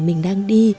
mình đang đi